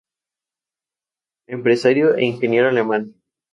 Empresario e ingeniero alemán.